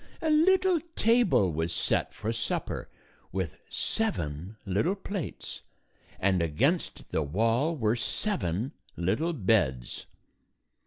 A little table was set for supper with seven little plates, and against the wall were seven little beds.